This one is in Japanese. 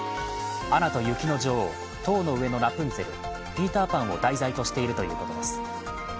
「アナと雪の女王」、「塔の上のラプンツェル」、「ピーター・パン」を題材としているということです。